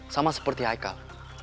sama seperti aikal